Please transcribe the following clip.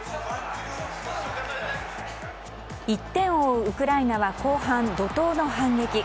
１点を追うウクライナは後半、怒涛の反撃。